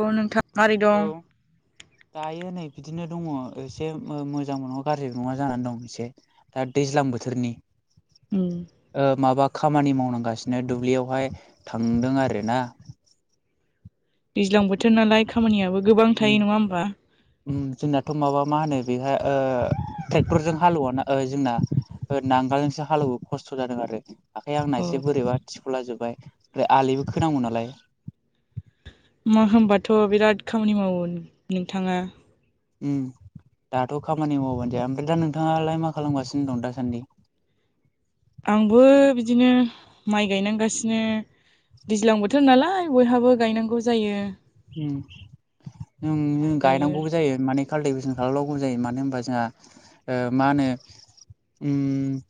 औ नोंथां मारै औ दं। दायो नै बिदिनो दङ एसे मोजांबो नङा गाज्रि नङा जानानै दं एसे। दा दैज्लां बोथोरनि। उम। ओ माबा खामानि मावनांगासिनो दुब्लियावहाय थांदों आरो ना। दैज्लां बोथोर नालाय खामानियाबो गोबां थायो नङा होमबा। उम जोंनाथ' माबा मा होनो बेहाय ओ ट्रेक्टरजों हालेवाना जोंना। ओ नांगोल जोंसो हालेवो खस्थ' जादों आरो। आखाइ अ आंना एसे बोरैबा थिख'लाजोबबाय ओमफ्राय आलिबो खोनांगौ नालाय। मा होमबाथ' बिराद खामानि मावो नोंथाङा। उम दाथ' खामानि मावबानो जाया ओमफ्राय दा नोंथाङालाय मा खालामगासिनो दं दासान्दि। आंबो बिदिनो माइ गायनांगासिनो। दैज्लां बोथोर नालाय बयहाबो गायनांगौ जायो। माइ ओम गायो गायनांगौबो जायो माने। काल्टिभेसन खालामनांगौ जायो मानो होनबा जोंहा ओ मा होनो। उम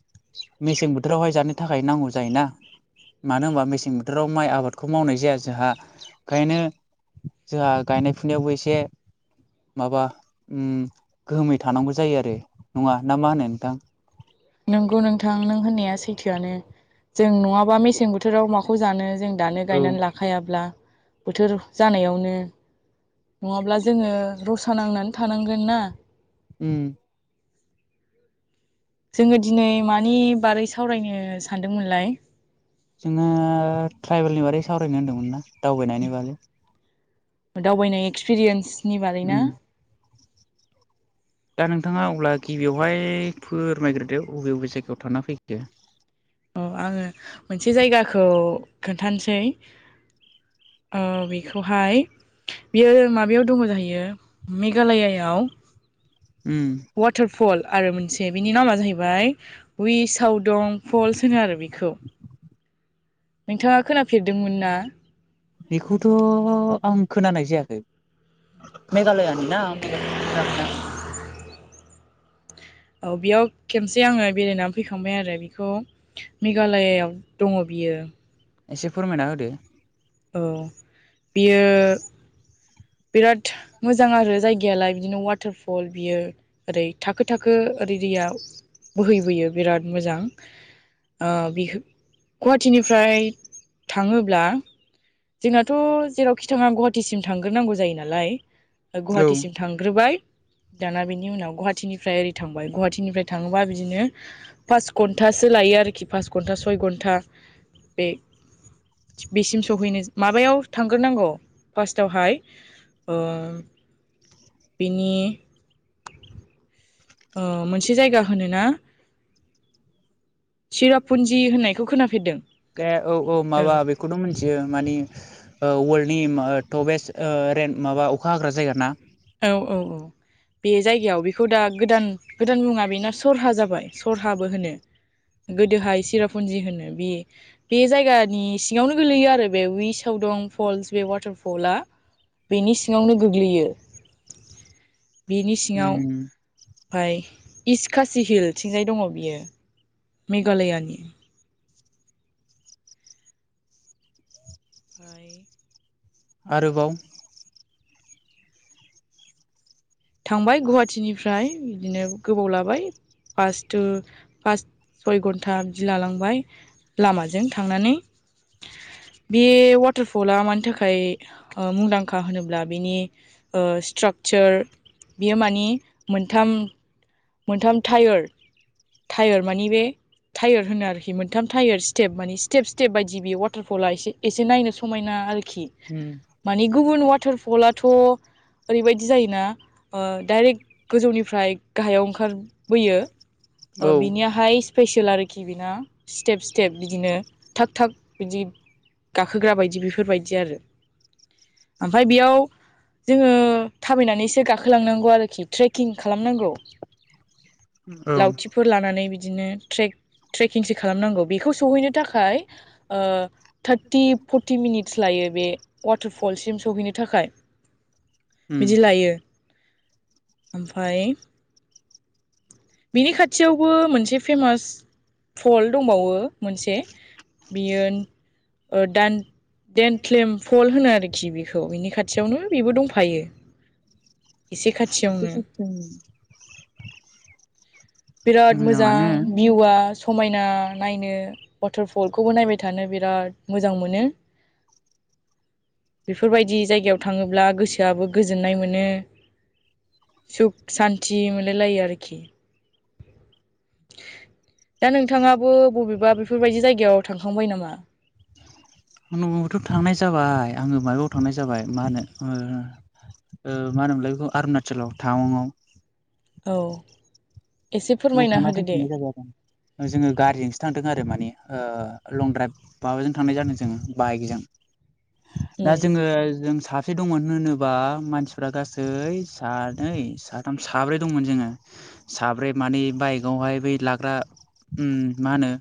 मेसें बोथोरावहाय जानो थाखाय नांगौ जायोना। मानो होनबा मेसें बोथोराव माइ आबादखौ मावनाय जाया जोंहा ओंखायनो। जोहा गायनाय फुनायावबो एसे। माबा उम गोहोमै थानांगौ जायो आरो नङा ना मा होनो नोंथां। नंगौ नोंथां नों होननाया सैथोआनो जों नङाबा मेसें बोथोराव माखौ जानो। दानो औ गायना लाखायाब्ला बोथोर जानायावनो। नङाब्ला जोङो रसा नांनानै थानांगोन ना। उम। जोङो दिनै मानि बारै सावरायनो सानदोंमोनलाय। जोङो ट्राइबेलनि बारै सावरायनो होनदोंमोन ना दावबायनायनि बागै। दावबायनाय एक्सपिरियेन्सनि उम बारैना। दा नोंथाङा अब्ला गिबियावहाय फोरमाइग्रोदो बबे बबे जायगायाव थांना फैखो। अ आङो मोनसे जायगाखौ खोन्थानसै। ओ बेखौहाय। बियो माबायाव दङ जाहैयो मेघालयायाव। उम। वाटारफल आरो मोनसे बिनि नामा जाहैबाय वइसाव दं। फल्स होनो आरो बेखौ नोंथाङा खोनाफेरदोंमोन ना। बेखौथ' आं खोनानाय जायाखै। मेघालयानि ना मेघालय थांफेराखैना। औ बेयाव खेमसे आङो बेरायनानै फैखांबाय आरो बेखौ। मेघालयायाव दङ बियो। एसे फोरमायना होदो। औ बेयो। बिराद मोजां आरो जायगायालाय बिदिनो वाटारफल बियो ओरै थाखो थाखो ओरै दैया बोहैबोयो बिराद मोजां ओ बि गुवाहाटिनिफ्राय थाङोब्ला जोंनाथ' जेरावखि थाङा गुवाहाटिसिम थांग्रोनांगौ जायो नालाय औ गुवाहाटिसिम थां थांग्रोबाय दाना बिनि उनाव गुवाहाटिनिफ्राय ओरै थांबाय गुवाहाटिनिफ्राय थाङोबा बिदिनो पास घन्टासो लायो आरोखि पास घन्टा सय घन्टा बे बेसिम सहैनो माबायाव थांग्रोनांगौ फार्स्टावहाय ओ बिनि ओ मोनसे जायगा होनो ना चिरापुन्जि होननायखौ खोनाफेरदों? औ! खौथ' मिथियो माने वर्ल्डनि टपेस्ट ओ रेन माबा अखा हाग्रा जायगा ना? औ औ औ बे जायगायाव बेखौ दा गोदान गोदान मुङा बेना सरहा जाबाय। सरहाबो होनो गोदोहाय सिरापुन्जि होनो बि बे जायगानि सिङावनो गोलैयो आरो बे उइसाव दं फलस बे वाटार फलआ बेनि सिङावनो गोग्लैयो। बिनि सिङाव उम ओमफाय इस्ट कसि हिलथिंजाय दङ बियो मेघालयानि फाय आरोबाव थांबाय गुवाहाटिनिफ्राय बिदिनो गोबाव लाबाय फास थु फास सय गनथा बिदि लालांबाय लामाजों थांनानै बे वाटारफला मानि थाखाय थाखाय मुंदांखा होनोब्ला बिनि ओ स्ट्राकचार बियो माने मोनथाम मोनथाम टायार टायार माने बे टायार होनो आरोखि मोनथाम टायार स्टेप माने स्टेप स्टेप बायदि बेयो वाटारफला एसे एसे नायनो समायना आरोखि। ओम माने गुबुन वाटारफलाथ' ओरैबायदि जायोना ओ डाइरेक्ट गोजौनिफ्राय गाहायाव ओंखार बोयो औ बिनियाहाय स्पेसियेल आरोखि बेना स्टेप स्टेप बिदिनो थाग थाग बिदि गाखोग्रा बायदि बेफोरबायदि आरो ओमफाय बेयाव जोङो थाबायनानैसो गाखो खोलांनांगौ आरोखि ट्रेकिं खालामनांगौ। औ लावथिफोर लानानै बिदिनो ट्रे ट्रेकिंसो खालामनांगौ बेखौ सहैनो थाखाय ओ थार्टि फर्टि मिनिटस लायो बे ववाटारफलसिम सहैनो थाखाय उम बिदि लायो ओमफाय बेनि खाथियावबो मोनसे फेमास फल' दंबावो मोनसे बियो ओ दान देन क्लेम फल होनो आरोखि बेखौ बिनि खाथियावनो बेबो दंफायो। एसे खाथियावनो [inaudible] बिराद मोजां मोजाङानो भिउआ समायना नायनो वाटारफलखौबो नायबाय थानो बिराद मोजां मोनो। बेफोरबायदि जायगायाव थाङोब्ला गोसो गोसो आबो गोजोननाय मोनो सुख सान्थि मोनलाय लायो आरोखि। दा नोंथाङाबो बबेबा बेफोरबायदि जायगायाव थांखांबाय नामा न'आव बोथ' थांनाय जाबाय आङो माबायाव थांनाय जाबाय मा होनो ओ मा होनोमोनलाय बेखौ अरुणाचलाव टाउंआव औ एसे बेयाव फोरमायना थांना होदो दे फैफिननाय जाबाय आरो जोङो गारिजोंसो थांदों आरो माने ओ लं द्राइभ माबाजों थांनाय जादों जोङो बाइकजों दा उम जोङो जों सा से दंमोन होनोबा मानसिफ्रा गासै सानै साथाम साब्रै दंमोन जोङो साब्रै माने बाइकआवहाय बै लाग्रा उम मा होनो?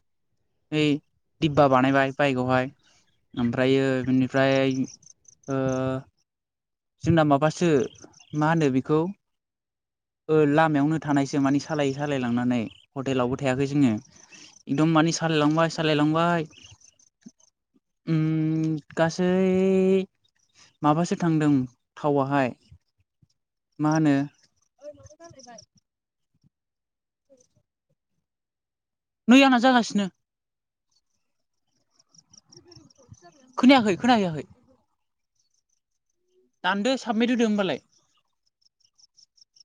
ऐ दिब्बा बानायबाय बाइकआव हाय ओमफ्रायो बिनिफ्राय ओ जोंना माबासो मा होनो बेखौ ओ लामायावनो थानायसो मानि सालायै सालायलांनानै हटेलावबो थायाखै जोङो एकदम माने सालाय लांबाय सालाय लांबाय उम गासै माबासो थांदों थावाहाय मा होनो ओइ मानो गारलायबाय नै आंना जागासिनो खोनायाखै खोनाहैयाखै दानदो साबमिट होदो होमबालाय